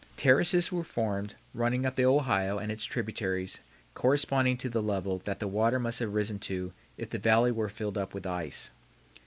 Terraces were formed running up the Ohio and its tributaries corresponding to the level that the water must have risen to if the valley were filled up with ice.